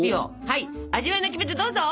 はい味わいのキメテどうぞ！